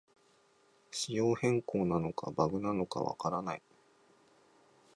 仕様変更なのかバグなのかわからない